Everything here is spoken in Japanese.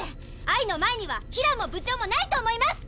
愛の前にはヒラも部長もないと思います！